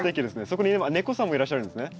そこに今猫さんもいらっしゃるんですね。